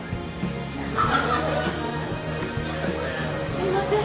すいません。